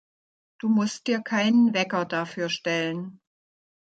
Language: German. Du musst dir keinen Wecker dafür stellen.